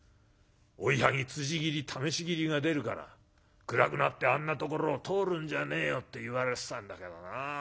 『追い剥ぎつじ斬り試し斬りが出るから暗くなってあんなところを通るんじゃねえよ』って言われてたんだけどな。